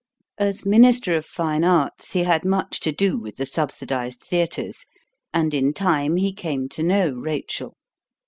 As minister of fine arts he had much to do with the subsidized theaters; and in time he came to know Rachel.